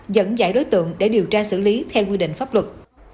dẫn giải đối tượng để điều tra xử lý theo quy định pháp luật